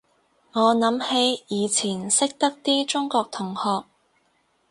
我諗起以前識得啲中國同學